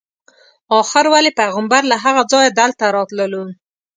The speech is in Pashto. آخر ولې پیغمبر له هغه ځایه دلته راتللو.